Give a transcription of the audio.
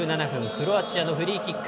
クロアチアのフリーキック。